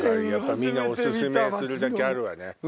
みんなオススメするだけあるわね。